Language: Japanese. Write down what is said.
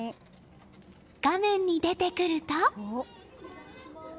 画面に出てくると。